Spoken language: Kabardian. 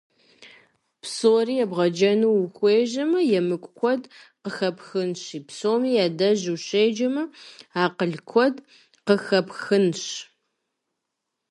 Псори ебгъэджэну ухуежьэмэ, емыкӀу куэд къэпхьынщи, псом я деж ущеджэмэ, акъыл куэд къыхэпхынщ.